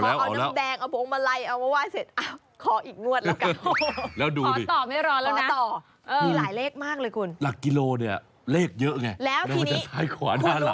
เอาแล้ว